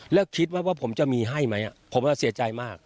แล้วคิดว่าผมจะมีให้ไหมผมเสียใจมาก